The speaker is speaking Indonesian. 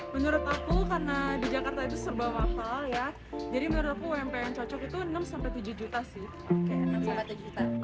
menurut aku karena di jakarta itu sebuah hafal ya jadi menurut aku ump yang cocok itu enam tujuh juta sih